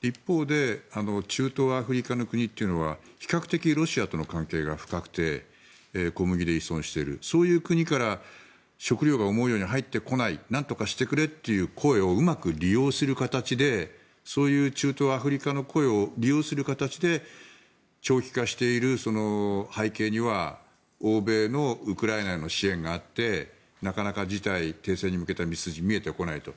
一方で中東、アフリカの国というのは比較的、ロシアとの関係が深くて小麦で依存しているそういう国から食糧が思うように入ってこないなんとかしてくれという声をうまく利用する形でそういう中東、アフリカの声を利用する形で長期化している背景には欧米のウクライナへの支援があってなかなか停戦に向けての道筋が見えてこないと。